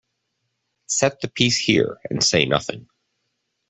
Set the piece here and say nothing.